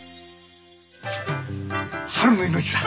春の命だ！